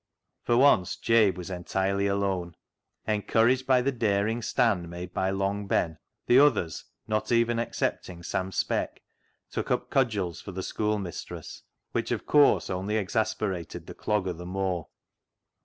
For once Jabe was entirely alone. Encouraged by the daring stand made by Long Ben, the others, not even excepting Sam Speck, took up cudgels for the schoolmistress, which, of course, only exasper ated the Clogger the more.